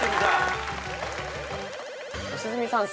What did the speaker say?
良純さん